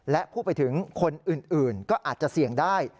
และพูดไปถึงคนอื่นก็อาจจะเสี่ยงได้